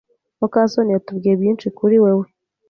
muka soni yatubwiye byinshi kuri wewe.